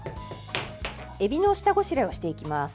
エビの下ごしらえをしていきます。